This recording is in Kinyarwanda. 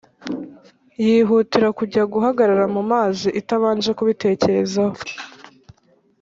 yihutira kujya guhagarara mu mazi itabanje kubitekerezaho